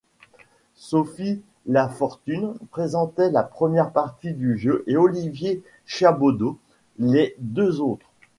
Sophie Lafortune présentait la première partie du jeu et Olivier Chiabodo les deux autres.